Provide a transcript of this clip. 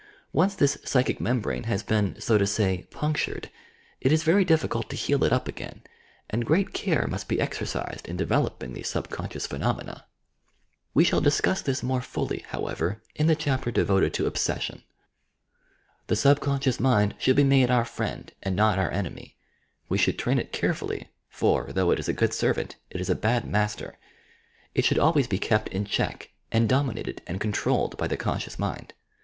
Once this psychic membrane has been, so to say, "puaclured," it is very difQeult to heal it up again, and great care must be exercised in developing these subconscious phenomena. We shall discuss this more e 3 36 YOUR PSYCHIC POWERS fully, however, in the chapter devoted to "Obsession." The subeonscioua mind should be made our friend and not our enemy. We should train it carefully, for, though it is a good servant, it is a bad master ! It should always be kept in check and dominated and con trolled by the conscious mind.